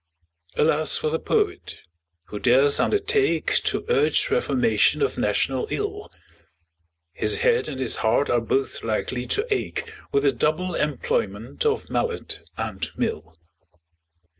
Alas for the Poet, who dares undertake To urge reformation of national ill! His head and his heart are both likely to ache With the double employment of mallet and mill.